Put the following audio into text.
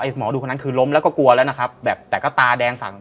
หมอดูคนนั้นคือล้มแล้วก็กลัวแล้วนะครับแบบแต่ก็ตาแดงสั่ง